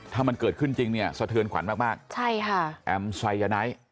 ถ้ามันเกิดขึ้นจริงเนี่ยสะเทือนขวัญมากมากใช่ค่ะแอมไซยาไนท์